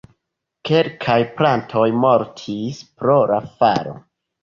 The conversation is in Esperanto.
Kelkaj plantoj mortis pro la falo.